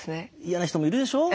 嫌な人もいるでしょう。